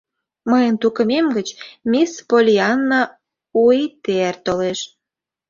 Мыйын тукымем гыч мисс Поллианна Уиттиер толеш.